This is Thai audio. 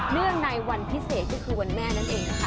เรื่องในวันพิเศษก็คือวันแม่นั่นเองนะคะ